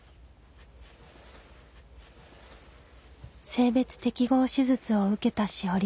性別適合手術を受けた志織さん。